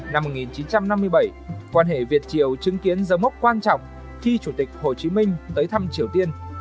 năm một nghìn chín trăm năm mươi bảy quan hệ việt triều chứng kiến dấu mốc quan trọng khi chủ tịch hồ chí minh tới thăm triều tiên